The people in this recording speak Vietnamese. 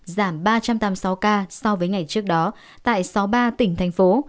giảm ba trăm tám mươi sáu ca so với ngày trước đó tại sáu mươi ba tỉnh thành phố